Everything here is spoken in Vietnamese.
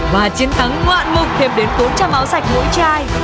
và chiến thắng ngoạn mục thêm đến bốn trăm linh áo sạch mỗi chai